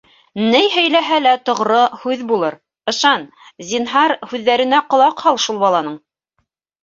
Ни һөйләһә лә тоғро һүҙ булыр - ышан, зинһар, һүҙҙәренә ҡолаҡ һал шул баланың!